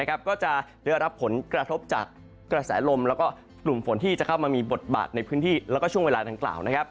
ก็จะได้รับผลกระทบจากกระแสลมแล้วก็กลุ่มฝนที่จะเข้ามามีบทบาทในพื้นที่แล้วก็ช่วงเวลาดังกล่าว